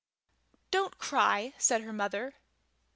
"Don't cry!" said her mother.